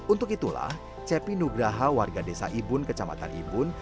untuk itulah cepi nugraha warga desa ibun kecamatan ibun